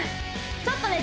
ちょっとね